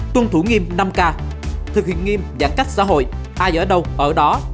tuân thủ nghiêm năm k thực hiện nghiêm giãn cách xã hội ai ở đâu ở đó